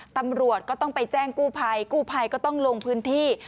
ตำรวจก็ต้องไปแจ้งกู้ภัยกู้ภัยก็ต้องลงพื้นที่